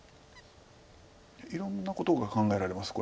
いろんなことが考えられます